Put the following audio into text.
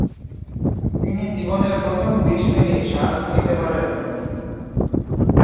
তিনি জীবনের প্রথম বিশ মিনিট শ্বাস নিতে পারেন নি।